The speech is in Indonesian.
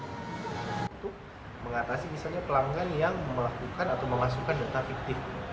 untuk mengatasi misalnya pelanggan yang melakukan atau memasukkan data fiktif